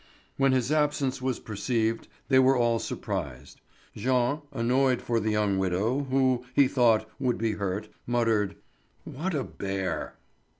When his absence was perceived they were all surprised. Jean, annoyed for the young widow, who, he thought, would be hurt, muttered: "What a bear!"